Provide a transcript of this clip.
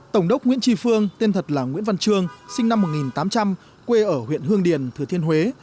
tổng đốc nguyễn tri phương tên thật là nguyễn văn trương sinh năm một nghìn tám trăm linh quê ở huyện hương điền thừa thiên huế